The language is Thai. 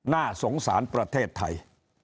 น่าสงสารประเทศไทย